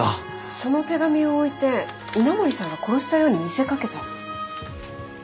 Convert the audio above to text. その手紙を置いて稲森さんが殺したように見せかけた。